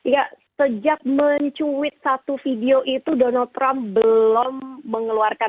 ya sejak mencuit satu video itu donald trump belum mengeluarkan